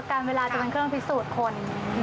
การเวลาจะเป็นเครื่องพิสูจน์คน